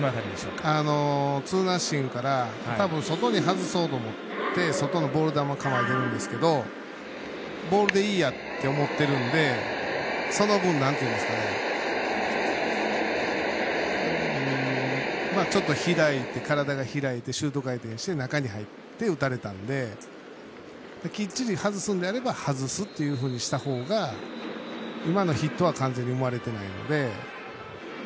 ツーナッシングから外に外そうと思って外のボール球を構えてるんですけどボールでいいやって思ってるんでその分、ちょっと体が開いてシュート回転して中に入って打たれたんできっちり外すんであれば外すっていうふうにしたほうが今のヒットは完全に生まれてないので。